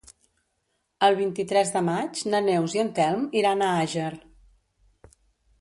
El vint-i-tres de maig na Neus i en Telm iran a Àger.